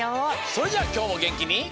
それじゃあきょうもげんきに。